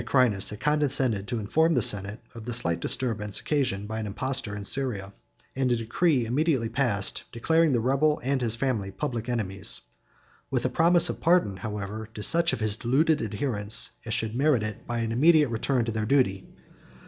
—W] The letters of Macrinus had condescended to inform the senate of the slight disturbance occasioned by an impostor in Syria, and a decree immediately passed, declaring the rebel and his family public enemies; with a promise of pardon, however, to such of his deluded adherents as should merit it by an immediate return to their duty.